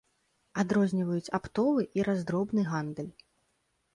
Адрозніваюць аптовы і раздробны гандаль.